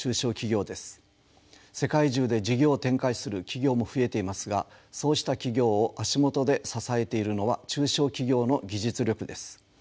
世界中で事業を展開する企業も増えていますがそうした企業を足元で支えているのは中小企業の技術力です。